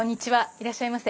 いらっしゃいませ。